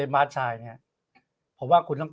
บ้านชายผมว่าคุณต้อง